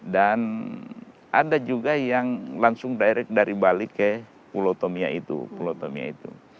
dan ada juga yang langsung direct dari bali ke pulau tomia itu